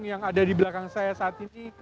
yang ada di belakang saya saat ini